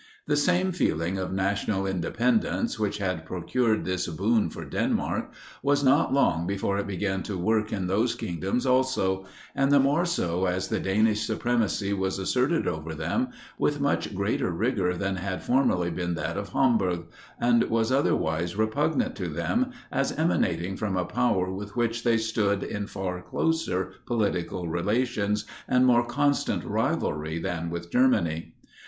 The same feeling of national independence, which had procured this boon for Denmark, was not long before it began to work in those kingdoms also; and the more so as the Danish supremacy was asserted over them with much greater rigour than had formerly been that of Hamburg, and was otherwise repugnant to them, as emanating from a power with which they stood in far closer political relations, and more constant rivalry than with Germany.